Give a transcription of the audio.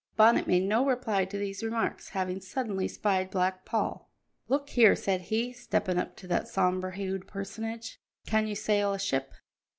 Bonnet made no reply to these remarks, having suddenly spied Black Paul. "Look here," said he, stepping up to that sombre hued personage, "can you sail a ship?"